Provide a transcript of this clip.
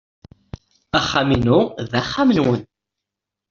Axxam-inu d axxam-nwen.